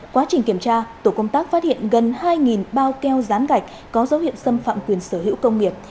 quá trình kiểm tra tổ công tác phát hiện gần hai bao keo rán gạch có dấu hiệu xâm phạm quyền sở hữu công nghiệp